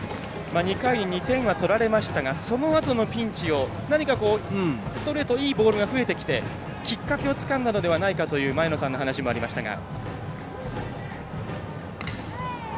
２回、２点は取られましたがそのあとのピンチをストレート、いいボールが増えてきて、きっかけをつかんだのではないかという前野さんの話もありましたが。